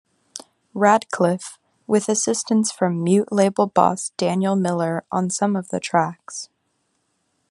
Radcliffe, with assistance from Mute label boss Daniel Miller on some of the tracks.